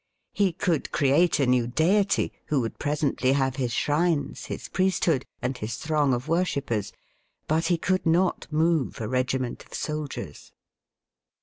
He could create a new deity, who would presently have his shrines, his priesthood, and his throng of worshippers. But he could not move a regiment of soldiers.